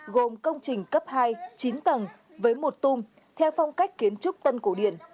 gồm công trình cấp hai chín tầng với một tùm theo phong cách kiến trúc tân cổ điển